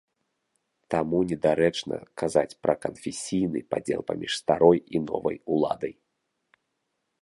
Таму недарэчна казаць пра канфесійны падзел паміж старой і новай уладай.